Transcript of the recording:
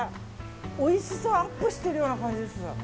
おいしさアップしてるような感じです。